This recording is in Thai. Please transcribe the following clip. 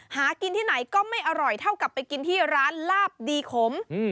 หากินที่ไหนก็ไม่อร่อยเท่ากับไปกินที่ร้านลาบดีขม